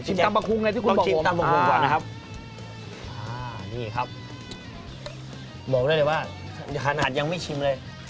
ชิมตำปะคุงไงที่คุณบอกผมอ่านี่ครับบอกได้เลยว่าถ้าขนาดยังไม่ชิมเลย